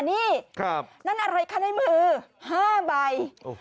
นี่นั่นอะไรคะในมือ๕ใบ